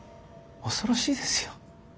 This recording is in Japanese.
恐ろしいですよ。